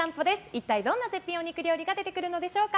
一体どんな絶品お肉料理が出てくるのでしょうか。